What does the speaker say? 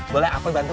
boleh aku dibantu